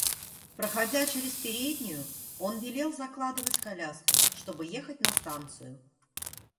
Проходя через переднюю, он велел закладывать коляску, чтобы ехать на станцию.